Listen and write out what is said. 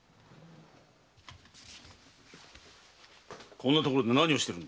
こんな所で何をしている？